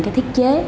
cái thiết chế